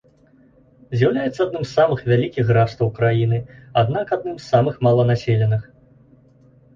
З'яўляецца адным з самых вялікіх графстваў краіны, аднак адным з маланаселеных.